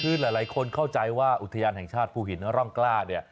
คือหลายคนเข้าใจว่าอุทยานแห่งชาติภูหินร่องกล้าเนี่ย